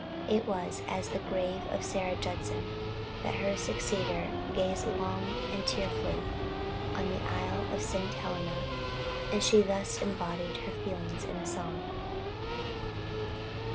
It was as the grave of Sarah Judson, that her successor gazed long and tearfully on the Isle of St. Helena; and she thus embodied her feelings in song.